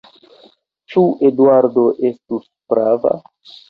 Ĉu Eduardo estus prava?